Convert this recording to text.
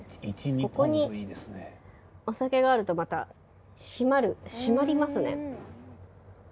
ここにお酒があるとまた締まる締まりますね。